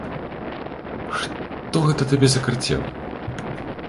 Што гэта табе закарцела?